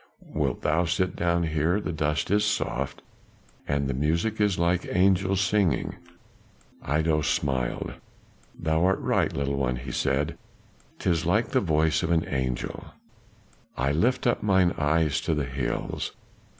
Wilt thou sit down here? the dust is soft, and the music is like angels singing." Iddo smiled. "Thou art right, little one," he said; "'tis like the voice of an angel." "I lift up mine eyes to the hills.